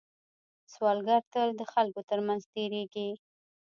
سوالګر تل د خلکو تر منځ تېرېږي